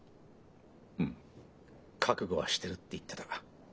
うん覚悟はしてるって言ってた。